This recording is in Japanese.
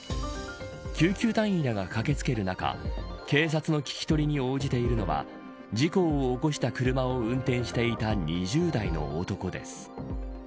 救急隊員らが駆け付ける中警察の聞き取りに応じているのは事故を起こした車を運転していた２０代の男です。